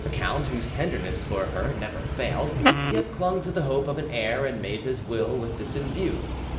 The count, whose tenderness for her never failed, yet clung to the hope of an heir, and made his Will with this in view.